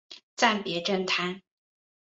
暂别政坛。